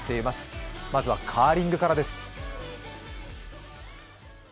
まずはカーリングからです。